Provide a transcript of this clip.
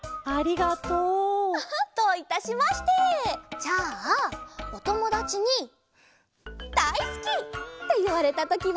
じゃあおともだちに「だいすき」っていわれたときは？